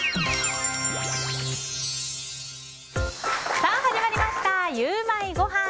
さあ、始まりましたゆウマいごはん。